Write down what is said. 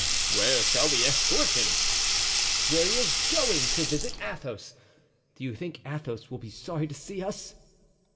"Where shall we escort him?" "Where he is going—to visit Athos. Do you think Athos will be sorry to see us?"